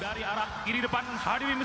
beragam latar belakang pilot the jupiter